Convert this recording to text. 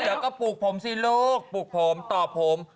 นี่มันเดี๋ยวพลุกผมสิลูกปลุกผมตอดผม